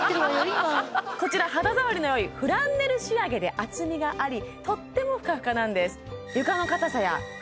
今こちら肌触りのよいフランネル仕上げで厚みがありとってもふかふかなんです